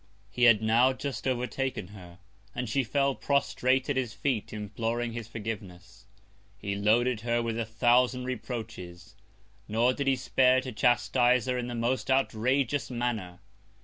He had now just overtaken her, and she fell prostrate at his Feet imploring his Forgiveness. He loaded her with a thousand Reproaches; nor did he spare to chastise her in the most outrageous Manner.